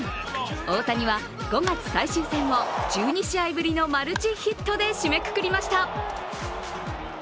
大谷は５月最終戦を１２試合ぶりのマルチヒットで締めくくりました。